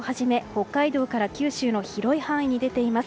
北海道から九州の広い範囲に出ています。